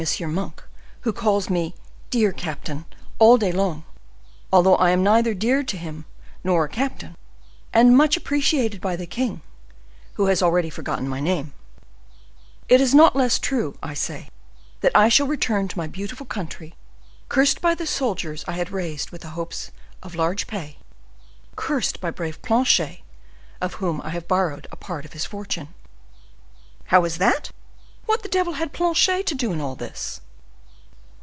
Monk, who calls me dear captain all day long, although I am neither dear to him nor a captain;—and much appreciated by the king, who has already forgotten my name;—it is not less true, I say, that I shall return to my beautiful country, cursed by the soldiers I had raised with the hopes of large pay, cursed by the brave Planchet, of who I have borrowed a part of his fortune." "How is that? What the devil had Planchet to do in all this?"